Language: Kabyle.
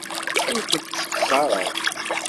Ur kent-ssexṣareɣ.